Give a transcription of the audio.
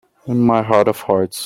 In my heart of hearts